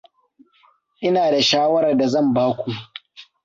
Ina da shawarar da zan ba ku.